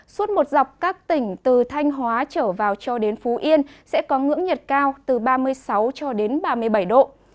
suốt một dọc các tỉnh từ thanh hóa trở vào cho đến phú yên sẽ có ngưỡng nhiệt cao từ ba mươi sáu cho đến ba mươi bảy độ